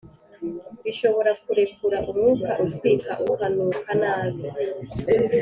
bishobora kurekura umwuka utwika ukanuka nabi,